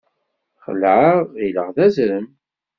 Xelɛeɣ, ɣilleɣ d azrem.